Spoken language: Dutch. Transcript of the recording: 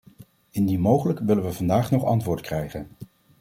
Indien mogelijk willen we vandaag nog antwoord krijgen.